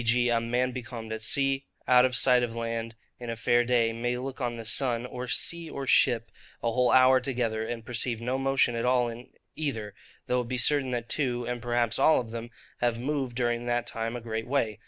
g. a man becalmed at sea, out of sight of land, in a fair day, may look on the sun, or sea, or ship, a whole hour together, and perceive no motion at all in either; though it be certain that two, and perhaps all of them, have moved during that time a great way.